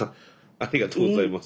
ありがとうございます。